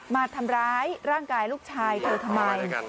มาทำร้ายร่างกายลูกชายเธอทำไม